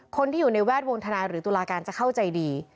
คนที่อยู่ในแวดวงธนายหรือตุลาการจะเข้าใจดี